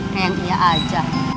kayaknya dia aja